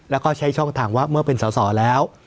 แล้วก็ใช้ช่องทางว่าเมื่อเป็นสอสอแล้ว